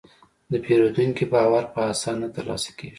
د پیرودونکي باور په اسانه نه ترلاسه کېږي.